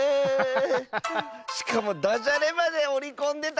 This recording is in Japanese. しかもだじゃれまでおりこんでた！